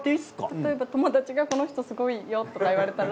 例えば友達がこの人すごいよとか言われたら。